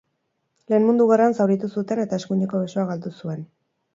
Lehen Mundu Gerran zauritu zuten eta eskuineko besoa galdu zuen.